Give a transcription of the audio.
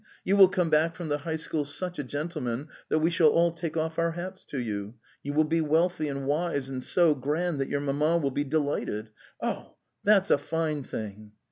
You will come back from the high school such a gentle man that we shall all take off our hats to you. You will be wealthy and wise and so grand that your mamma will be delighted. Oh, that's a fine thing!